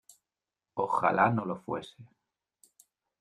¡ ojalá no lo fuese!